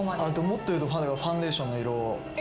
もっと言うとファンデーションの色。